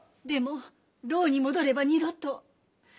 でも牢に戻れば二度と。